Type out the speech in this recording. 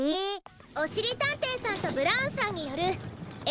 おしりたんていさんとブラウンさんによるえんしんかそくき